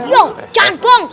loh jangan bohong